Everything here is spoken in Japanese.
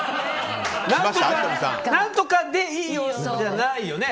なんとかでいいよじゃないよね。